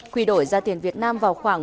quy đổi ra tiền việt nam